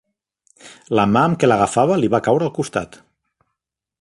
La mà amb que l'agafava li va caure al costat.